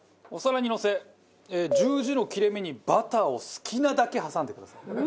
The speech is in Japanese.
お皿にのせ十字の切れ目にバターを好きなだけ挟んでください。